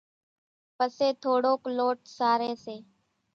پسي ٿوڙوڪ لوٽ ساري سي،